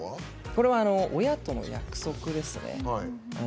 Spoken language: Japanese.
これは親との約束ですね。